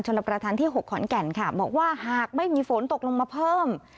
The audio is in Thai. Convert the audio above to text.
รับประทานที่๖ขอนแก่นค่ะบอกว่าหากไม่มีฝนตกลงมาเพิ่ม